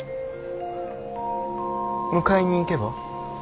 迎えに行けば？